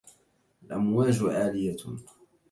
الأمواج عالية.